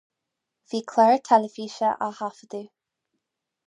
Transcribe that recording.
Bhí clár teilifíse á thaifeadadh.